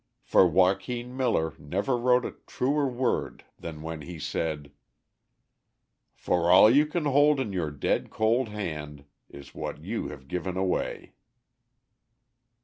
For Joaquin Miller never wrote a truer word than when he said: "For all you can hold in your dead cold hand, Is what you have given away."